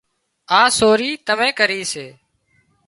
آ سوري تمين ڪري سي